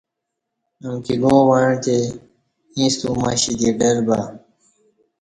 امکی گاں وعݩتے ایݩستہ اومشی دی ڈر بہ